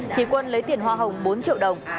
thì quân lấy tiền hoa hồng bốn triệu đồng